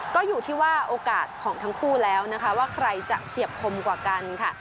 ก็อยู่ที่ว่าโอกาสของทั้งคู่แล้วนะคะว่าใครจะเฉียบคมกว่ากันค่ะ